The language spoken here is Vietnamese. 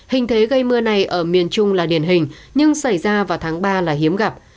hình thế gây mưa này ở miền trung là điển hình nhưng xảy ra vào tháng ba là hiếm gặp